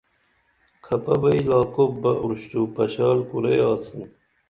کھپہ بئی لاکُوب بہ اُشتُرُو پشال کُرئی آڅن